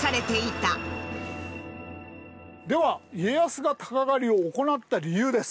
では家康がタカ狩りを行った理由です。